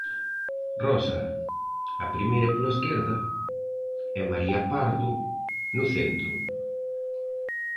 Rosa, a primeira pola esquerda, e María Pardo, no centro.